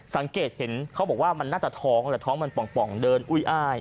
สังเกตเห็นเขาบอกว่ามันน่าจะท้องแหละท้องมันป่องเดินอุ้ยอ้าย